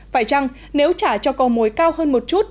phải chăng nếu trả cho cầu mồi cao hơn một chút